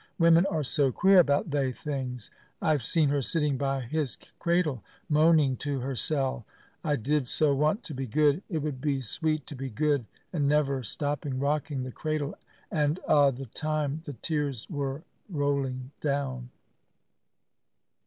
Women are so queer about thae things. I've seen her sitting by his cradle, moaning to hersel', 'I did so want to be good! It would be sweet to be good! and never stopping rocking the cradle, and a' the time the tears were rolling down."